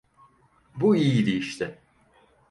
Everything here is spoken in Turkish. Bu iyiydi işte.